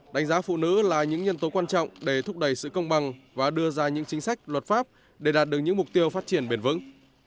đánh giá phụ nữ là những nhân tố quan trọng để thúc đẩy sự công bằng và đưa ra những chính sách luật pháp để đạt được những mục tiêu phát triển bền vững